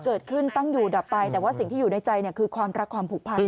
เกิดขึ้นตั้งอยู่ดับไปแต่ว่าสิ่งที่อยู่ในใจคือความรักความผูกพัน